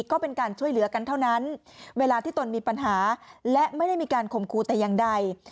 ก็เป็นการช่วยเหลือกันเท่านั้นเวลาที่ตนมีปัญหาและไม่ได้มีการข่มครูแต่อย่างใด